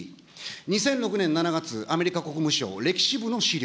２００６年７月、アメリカ国務省れきし部の資料。